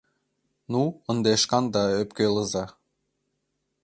Ну, ынде шканда ӧпкелыза!